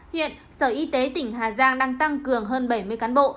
hiện sở y tế tỉnh hà giang đang tăng cường hơn bảy mươi cán bộ